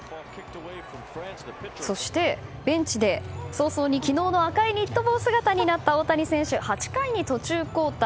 そして、ベンチで早々に昨日の赤いニット帽姿になった大谷選手、８回に途中交代。